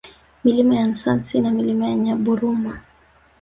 Milima ya Nsasi na Milima ya Nyaburuma